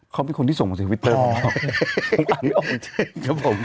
เขาเป็นคนที่ส่งของสวิตเตอร์มาของอ่านอ่อมเช่นครับผม